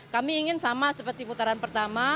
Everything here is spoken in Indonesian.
kami ingin sama seperti putaran pertama